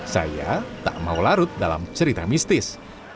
saya tak mau larut dalam cerita mistis